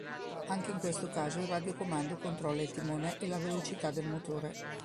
Anche in questo caso il radiocomando controlla il timone e la velocità del motore.